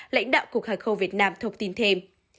lãnh đạo cục hàng không việt nam thông tin thêm